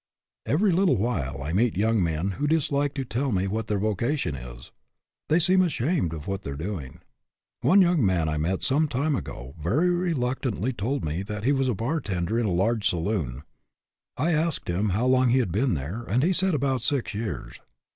Every little while I meet young men who dislike to tell me what their vocation is. They seem ashamed of what they are doing. One young man I met some time ago very reluct antly told me that he was a bartender in a large saloon. I asked him how long he had been there, and he said about six years.